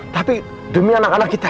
tapi demi anak anak kita